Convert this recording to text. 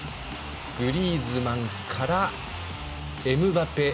グリーズマンからエムバペ。